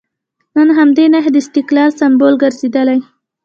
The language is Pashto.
نن همدې نښې د استقلال سمبول ګرځېدلي.